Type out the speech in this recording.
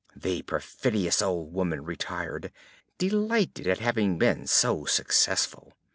The perfidious old woman retired, delighted at having been so successful.